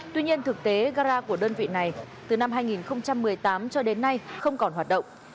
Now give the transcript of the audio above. tuy nhiên thực tế gara của đơn vị này từ năm hai nghìn một mươi tám cho đến nay không còn hoạt động